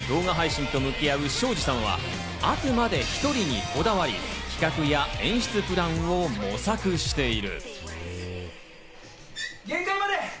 これまでのコンプレックスと闘うために動画配信と向き合う庄司さんはあくまで１人にこだわり企画や演出プランを模索している。